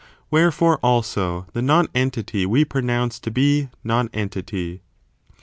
Wherefore, also, the non entity we pronounce to be non entity. 2.